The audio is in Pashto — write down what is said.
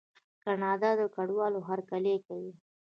کاناډا د کډوالو هرکلی کوي.